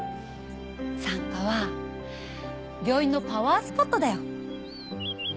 産科は病院のパワースポットだよ。